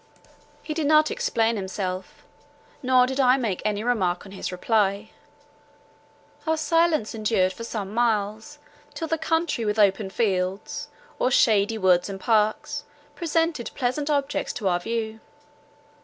He did not explain himself, nor did I make any remark on his reply. Our silence endured for some miles, till the country with open fields, or shady woods and parks, presented pleasant objects to our view.